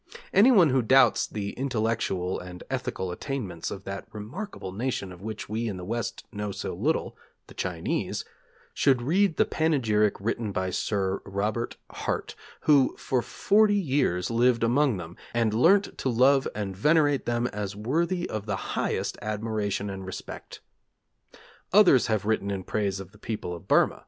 Anyone who doubts the intellectual and ethical attainments of that remarkable nation of which we in the West know so little the Chinese should read the panegyric written by Sir Robert Hart, who, for forty years, lived among them, and learnt to love and venerate them as worthy of the highest admiration and respect. Others have written in praise of the people of Burma.